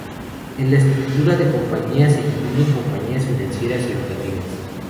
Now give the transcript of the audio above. En la estructura de compañía se incluyen compañías financieras y educativas.